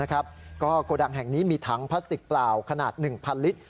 ก็โกดังแห่งนี้มีถังพลาสติกเปล่าขนาด๑๐๐ลิตร